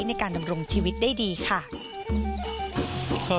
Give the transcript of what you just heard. ในการดำรงชีวิตได้ดีค่ะ